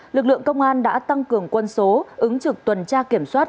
lực lượng công an đã tăng cường quân số ứng trực tuần tra kiểm soát